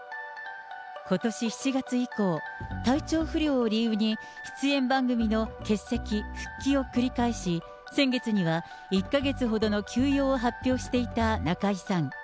ことし７月以降、体調不良を理由に出演番組の欠席、復帰を繰り返し、先月には１か月ほどの休養を発表していた中居さん。